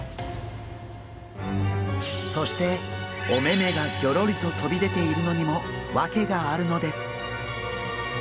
そしてお目目がぎょろりと飛び出ているのにも訳があるのです。